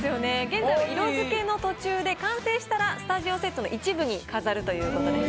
現在は色付けの途中で完成したらスタジオセットの一部に飾るということです。